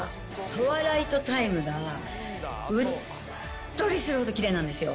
トワイライトタイムが、うっとりするほどきれいなんですよ。